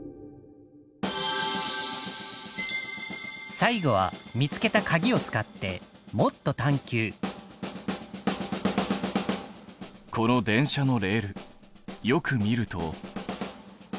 最後は見つけたかぎを使ってこの電車のレールよく見ると。